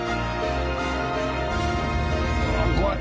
ああ怖い。